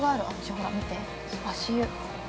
ほら見て、足湯。